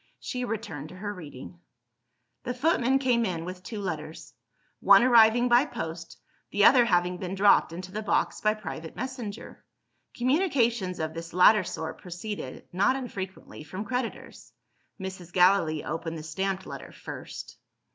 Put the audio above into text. She returned to her reading. The footman came in, with two letters one arriving by post; the other having been dropped into the box by private messenger. Communications of this latter sort proceeded, not unfrequently, from creditors. Mrs. Gallilee opened the stamped letter first.